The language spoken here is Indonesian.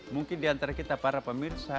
mungkin diantara kita para pemirsa